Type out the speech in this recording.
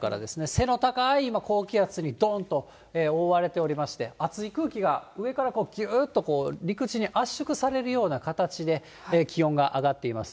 背の高い今、高気圧に今、どんと覆われておりまして、熱い空気が上からぎゅーっと陸地に圧縮されるような形で、気温が上がっています。